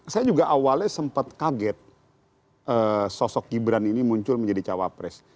saya juga awalnya sempat kaget sosok gibran ini muncul menjadi cawapres